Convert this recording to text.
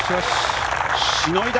しのいだ。